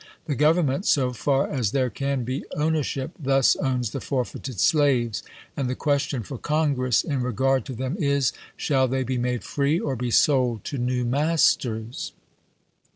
The Govern ment, so far as there can be ownership, thus owns the forfeited slaves, and the question for Congress in regard to them is, " Shall they be made free, or be sold to new masters